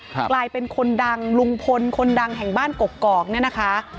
กลายเป็นคนดังลุงพลคนดังแห่งบ้านกกอกเนี่ยนะคะ